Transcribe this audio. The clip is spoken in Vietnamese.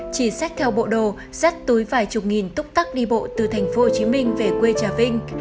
chỉ sách theo bộ đồ dắt túi vài chục nghìn túc tắc đi bộ từ thành phố hồ chí minh về quê trà vinh